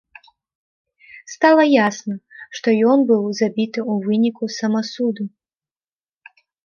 Стала ясна, што ён быў забіты ў выніку самасуду.